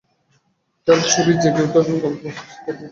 টেলিছবি জেগে ওঠার গল্প দেখানো হবে ঈদের দ্বিতীয় দিন মাছরাঙা টেলিভিশনে।